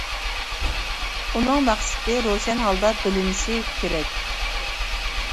ئۇنىڭ مەقسىتى روشەن ھالدا بىلىنىشى كېرەك.